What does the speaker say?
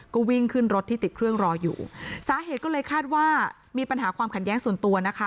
ก็วิ่งขึ้นรถที่ติดเครื่องรออยู่สาเหตุก็เลยคาดว่ามีปัญหาความขัดแย้งส่วนตัวนะคะ